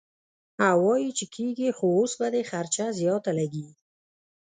او وائي چې کيږي خو اوس به دې خرچه زياته لګي -